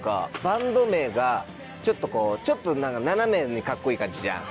バンド名がちょっとこう斜めにカッコいい感じじゃん。